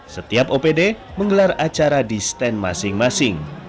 setiap opd menggelar acara di stand masing masing